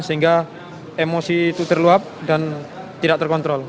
sehingga emosi itu terluap dan tidak terkontrol